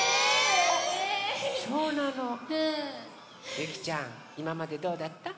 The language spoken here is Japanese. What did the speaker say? ゆきちゃんいままでどうだった？